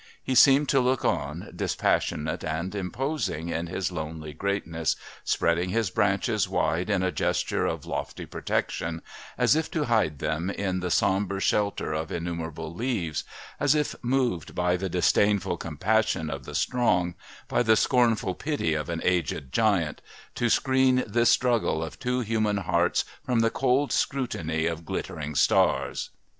He seemed to look on, dispassionate and imposing in his lonely greatness, spreading his branches wide in a gesture of lofty protection, as if to hide them in the sombre shelter of innumerable leaves; as if moved by the disdainful compassion of the strong, by the scornful pity of an aged giant, to screen this struggle of two human hearts from the cold scrutiny of glittering stars."